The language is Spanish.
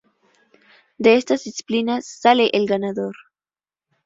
De estas disciplinas sale el ganador.